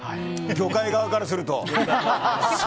魚介側からすると。